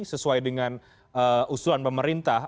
sesuai dengan usulan pemerintah